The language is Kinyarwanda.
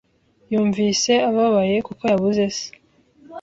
Yumvise ababaye kuko yabuze se.